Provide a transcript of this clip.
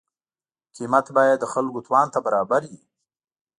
قیمت باید د خلکو توان ته برابر وي.